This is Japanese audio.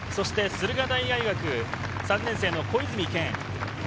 して駿河台大学３年生の小泉謙。